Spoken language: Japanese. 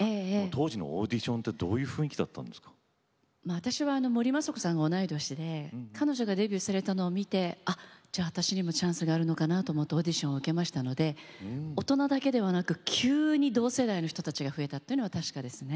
当時のオーディションは私は森昌子さんが同い年で彼女がデビューされたのを見て私にもチャンスがあるのかなとオーディションを受けましたので大人だけではなく急に同世代の人たちが増えたというのは、確かですね。